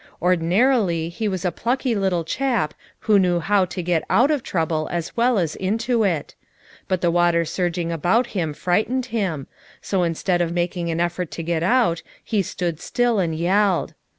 Or dinarily he was a plucky little chap who know how to get out of trouble as well as into it; but the water surging about him frightened FOUR MOTHERS AT CHAUTAUQUA 201 Mm, so instead of making an effort to get out lie stood still and yelled.